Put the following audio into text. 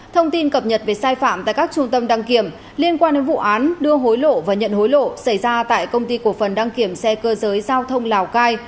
thông tin cập nhật về sai phạm tại các trung tâm đăng kiểm liên quan đến vụ án đưa hối lộ và nhận hối lộ xảy ra tại công ty cổ phần đăng kiểm xe cơ giới giao thông lào cai